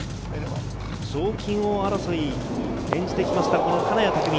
賞金王争いを演じてきました金谷拓実。